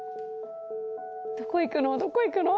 どこ行くの？